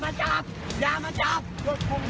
มันจอดอย่างง่ายอย่างง่ายอย่างง่ายอย่างง่าย